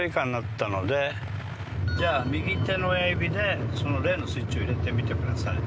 じゃあ右手の親指でその例のスイッチを入れてみてください。